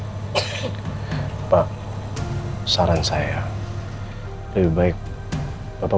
hai aku lihat tadi pak saran saya lebih baik bapak